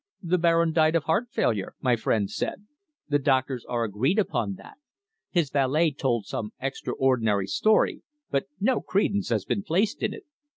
"The Baron died of heart failure," my friend said. "The doctors are agreed upon that. His valet told some extraordinary story, but no credence has been placed in it.